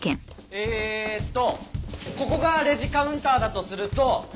えーっとここがレジカウンターだとすると。